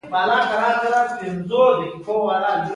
د هوږې شیره د فشار لپاره وکاروئ